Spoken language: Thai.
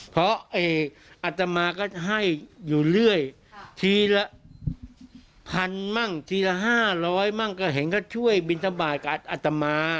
เพราะอัตมาก็ให้อยู่เรื่อยทีละพันมั่งทีละ๕๐๐มั่งก็เห็นก็ช่วยบินทบาทกับอัตมา